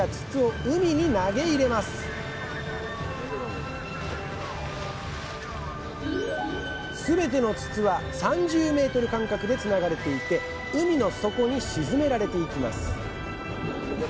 すべての筒は３０ｍ間隔でつながれていて海の底に沈められていきます。